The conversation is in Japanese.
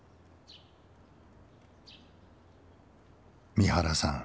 三原さん